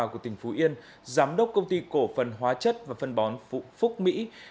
công an tỉnh phú yên giám đốc công ty cổ phần hóa chất và phân bón phúc mỹ